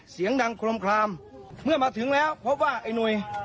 เสียงดังโครมคลามเมื่อมาถึงแล้วพบว่าไอ้หนุ่ย